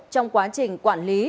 trong quá trình quản lý